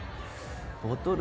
ボトル